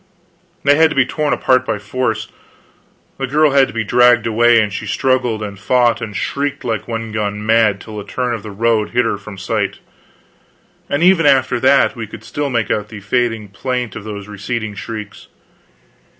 They had to be torn apart by force; the girl had to be dragged away, and she struggled and fought and shrieked like one gone mad till a turn of the road hid her from sight; and even after that, we could still make out the fading plaint of those receding shrieks.